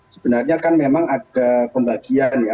sebenarnya kan memang ada pembagian ya